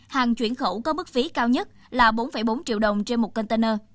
hàng chuyển khẩu có mức phí cao nhất là bốn bốn triệu đồng trên một container